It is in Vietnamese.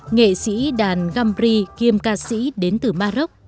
nghệ sĩ đàn gambri kiêm ca sĩ đến từ maroc